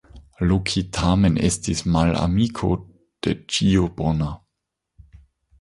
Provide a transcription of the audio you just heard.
Loki tamen estis malamiko de ĉio bona.